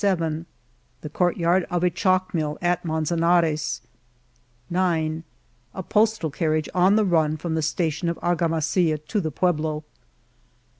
j The court yard of a chalk mill at Manzanares, .. 7 A postal carriage on the run from the station of Arga masilla to the pueblo